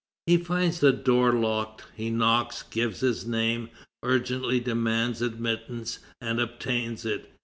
He finds the door locked; he knocks, gives his name, urgently demands admittance, and obtains it.